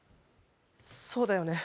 そうだよね